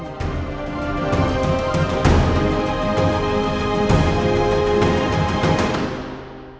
โปรดติดตามตอนต่อไป